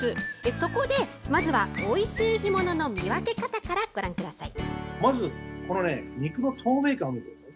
そこで、まずはおいしい干物の見分け方からご覧ください。